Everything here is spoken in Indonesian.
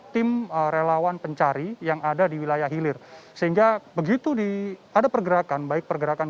tim relawan pencari yang ada di wilayah hilir sehingga begitu di ada pergerakan baik pergerakan